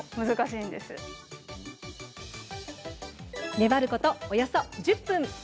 粘ること、およそ１０分。